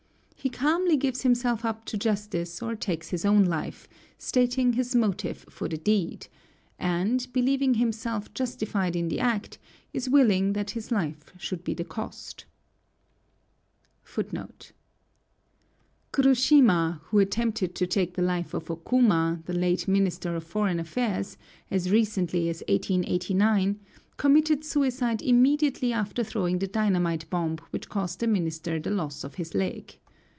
He calmly gives himself up to justice or takes his own life, stating his motive for the deed; and, believing himself justified in the act, is willing that his life should be the cost. Kurushima, who attempted to take the life of Okuma, the late Minister of Foreign Affairs, as recently as 1889, committed suicide immediately after throwing the dynamite bomb which caused the minister the loss of his leg.